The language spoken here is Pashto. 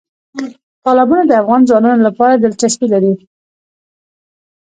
تالابونه د افغان ځوانانو لپاره دلچسپي لري.